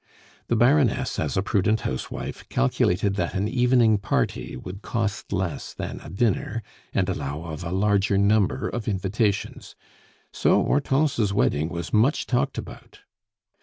The Baroness, as a prudent housewife, calculated that an evening party would cost less than a dinner, and allow of a larger number of invitations; so Hortense's wedding was much talked about.